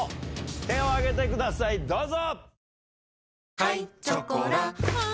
手を挙げてくださいどうぞ。